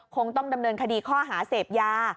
คงต้องดำเนินคดีข้อหาเสพยา